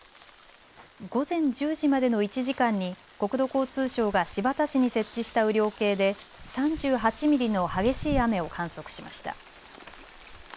午前１０時までの１時間に国土交通省が新発田市に設置した雨量計で３８ミリの激しい雨を観測しました。